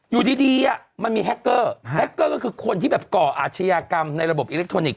อยู่ดีมันมีแฮคเกอร์แฮคเกอร์ก็คือคนที่แบบก่ออาชญากรรมในระบบอิเล็กทรอนิกส